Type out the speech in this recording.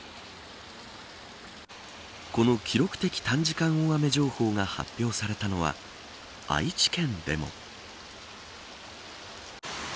この記録的短時間大雨情報が発表されたのは愛知県でも。